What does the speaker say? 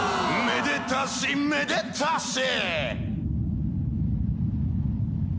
「めでたしめでたし！」